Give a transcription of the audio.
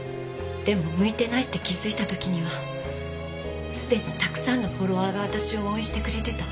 でも向いてないって気づいた時にはすでにたくさんのフォロワーが私を応援してくれてた。